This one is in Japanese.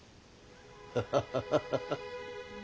ハハハハハ。